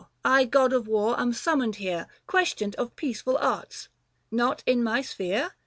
I, god of war, am summoned here Questioned of peaceful arts ; not in my sphere